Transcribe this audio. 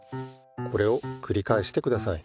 これをくりかえしてください。